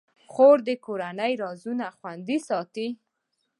خور د کورنۍ رازونه خوندي ساتي.